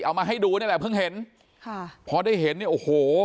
เอามาให้ดูนี่แหละเพิ่งเห็นค่ะพอได้เห็นเนี่ยโอ้โห